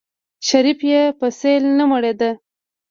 شريف يې په سيل نه مړېده.